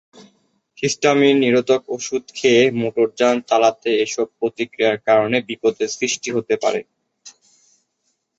Histamine নিরোধক ঔষধ খেয়ে মোটরযান চালালে এইসব প্রতিক্রিয়ার কারণে বিপদের সৃষ্টি হতে পারে।